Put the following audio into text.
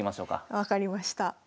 分かりました。